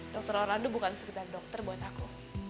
dr orande bukan sekedar dokter buat aku